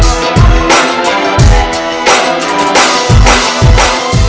terima kasih burnt out saya